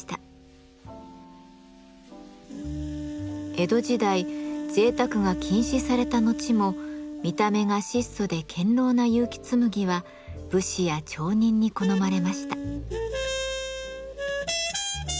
江戸時代ぜいたくが禁止された後も見た目が質素で堅牢な結城紬は武士や町人に好まれました。